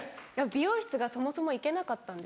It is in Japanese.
美容室がそもそも行けなかったんですよ。